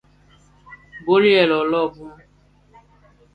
Bòl yêê lôlôo bum.